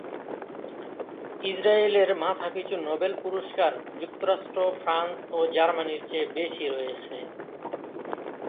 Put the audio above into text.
ইসরায়েলের মাথাপিছু নোবেল পুরস্কার যুক্তরাষ্ট্র, ফ্রান্স ও জার্মানির চেয়ে বেশি রয়েছে।